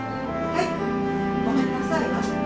ごめんなさいは？